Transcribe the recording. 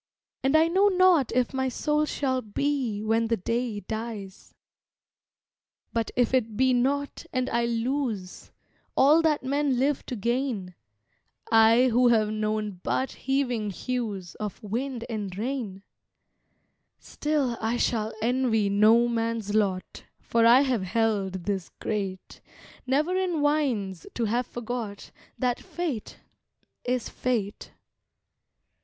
And I know not if my soul shall be When the day dies. But if it be not and I lose All that men live to gain I who have known but heaving hues Of wind and rain Still I shall envy no man's lot, For I have held this great, Never in whines to have forgot That Fate is Fate.